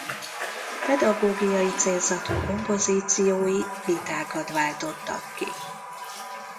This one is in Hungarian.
Pedagógiai célzatú kompozíciói vitákat váltottak ki.